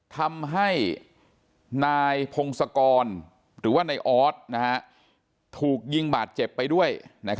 ทำให้นายพงศกรหรือว่าในออสถูกยิงบาดเจ็บไปด้วย